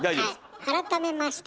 改めまして